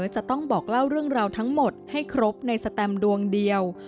จะต้องบอกเล่าเรื่องราวทั้งหมดให้ครบในสแตมดวงเดียว